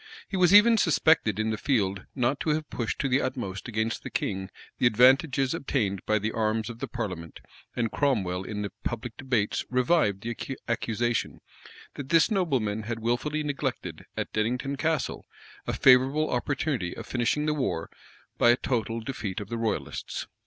He was even suspected in the field not to have pushed to the utmost against the king the advantages obtained by the arms of the parliament; and Cromwell in the public debates revived the accusation, that this nobleman had wilfully neglected at Dennington Castle a favorable opportunity of finishing the war by a total defeat of the royalists.